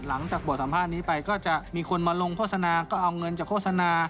หลังจากบทสัมภาษณ์นี้ไปก็จะมีคนมาลงโฆษณาก็เอาเงินจากโฆษณา